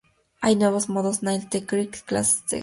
Hay nuevos modos Nail-the-Trick, clases de skater.